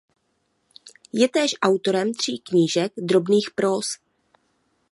Je též autorem tří knížek drobných próz.